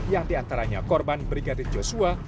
yang diantaranya korban brigadir joshua